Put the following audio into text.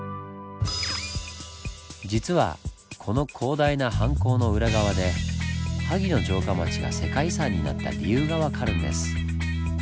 実はこの広大な藩校の裏側で萩の城下町が世界遺産になった理由が分かるんです。